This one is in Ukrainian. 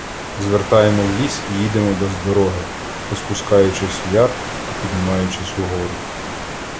Звертаємо в ліс і їдемо без дороги, то спускаючись в яр, то піднімаючись угору.